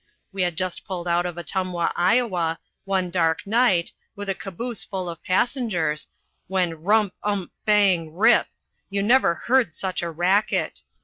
We had just pulled out of Ottumwa, Iowa, one dark night, with a caboose full of passengers, when rump ump bang rip! You never heard such a racket.